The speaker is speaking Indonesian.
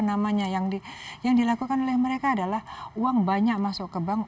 namanya yang dilakukan oleh mereka adalah uang banyak masuk ke bank